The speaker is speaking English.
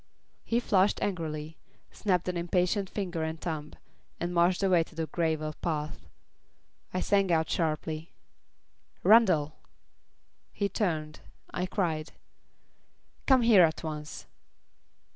He flushed angrily, snapped an impatient finger and thumb, and marched away to the gravel path. I sang out sharply: "Randall!" He turned. I cried: "Come here at once."